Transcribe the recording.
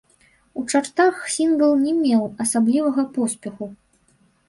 У чартах сінгл не меў асаблівага поспеху.